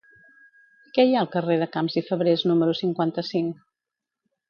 Què hi ha al carrer de Camps i Fabrés número cinquanta-cinc?